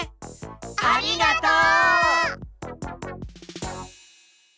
ありがとう！